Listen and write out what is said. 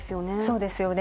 そうですよね。